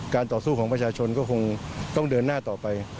ต่อสู้ของประชาชนก็คงต้องเดินหน้าต่อไป